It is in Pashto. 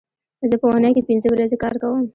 زه په اونۍ کې پینځه ورځې کار کوم